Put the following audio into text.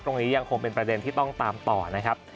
ยังคงเป็นประเด็นที่ต้องตามต่อนะครับ